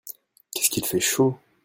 Qu'est-ce qu'il fait chaud !